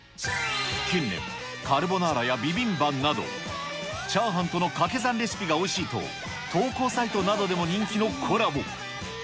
近年、カルボナーラやビビンバなど、チャーハンとのかけ算レシピがおいしいと、投稿サイトなどでも人気のコラボ。